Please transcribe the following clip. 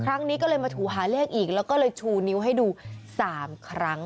ครั้งนี้ก็เลยมาถูหาเลขอีกแล้วก็เลยชูนิ้วให้ดู๓ครั้ง